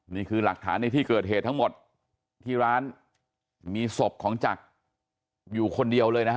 นี่คือหลักฐานในที่เกิดเหตุทั้งหมดที่ร้านมีศพของจักรอยู่คนเดียวเลยนะฮะ